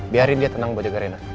biarin dia tenang buat jaga rena